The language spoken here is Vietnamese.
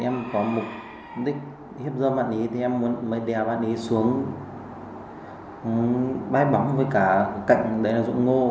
em có mục đích hiếp dơ bạn ấy thì em mới đèo bạn ấy xuống bái bóng với cả cạnh rụng ngô